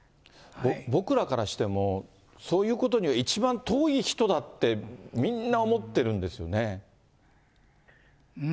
僕らからしても、そういうことには一番遠い人だって、みんな思ってるんですよね。